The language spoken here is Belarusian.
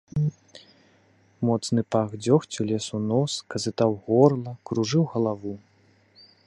Моцны пах дзёгцю лез у нос, казытаў горла, кружыў галаву.